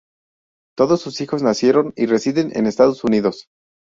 Todos sus hijos nacieron y residen en los Estados Unidos.